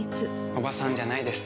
おばさんじゃないです。